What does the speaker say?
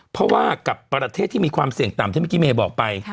เพราะว่ากับประเทศที่มีความเสี่ยงต่ำที่เมื่อกี้เมย์บอกไป